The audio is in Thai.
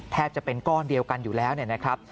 แทบจะเป็นก้อนเดียวกันอยู่แล้วเนี่ยนะครับ